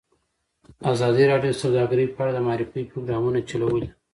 ازادي راډیو د سوداګري په اړه د معارفې پروګرامونه چلولي.